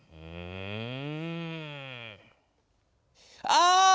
あ！